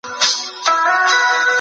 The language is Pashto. د سړي سر ګټه کمي شاخص دی.